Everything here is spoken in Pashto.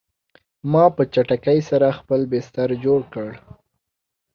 ما په چټکۍ سره خپل بستر جوړ کړ